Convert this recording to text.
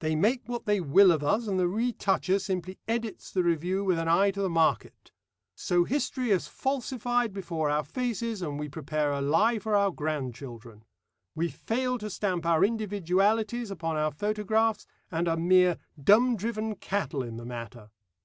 They make what they will of us, and the retoucher simply edits the review with an eye to the market. So history is falsified before our faces, and we prepare a lie for our grandchildren. We fail to stamp our individualities upon our photographs, and are mere 'dumb driven cattle' in the matter.